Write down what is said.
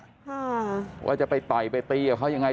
เพราะว่าจะไปต่ายไปตีหรืออย่างไร